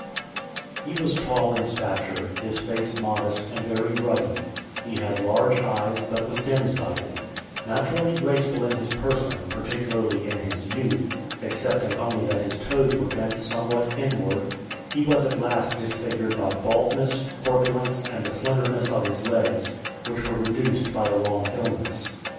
XVIII. He was tall in stature, his face modest, and very ruddy; he had large eyes, but was dim sighted; naturally graceful in his person, particularly in his youth, excepting only that his toes were bent somewhat inward, he was at last disfigured by baldness, corpulence, and the slenderness of his legs, which were reduced by a long illness.